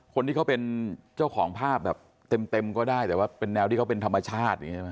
คนที่เขาเป็นเจ้าของภาพแบบเต็มก็ได้แต่ว่าเป็นแนวที่เขาเป็นธรรมชาติ